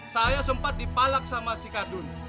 saya sempat dipalak sama si kadun